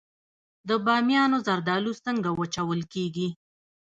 د بامیان زردالو څنګه وچول کیږي؟